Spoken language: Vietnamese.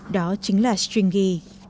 đó chính là stringy